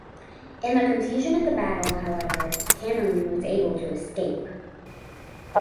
In the confusion of the battle, however, Cameron was able to escape.